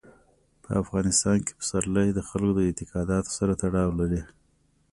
په افغانستان کې پسرلی د خلکو د اعتقاداتو سره تړاو لري.